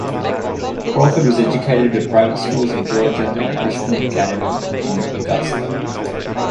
Crawford was educated at private schools in Georgia and at Richmond Academy in Augusta.